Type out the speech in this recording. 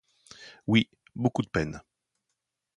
Oui, beaucoup de peine.